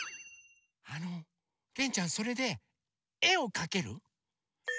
あのげんちゃんそれでえをかける？